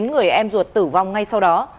gửi em ruột tử vong ngay sau đó